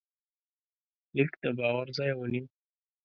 لیک د باور ځای ونیو.